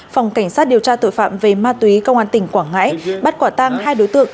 phòng cảnh sát điều tra tội phạm về ma túy công an tỉnh quảng ngãi bắt quả tăng hai đối tượng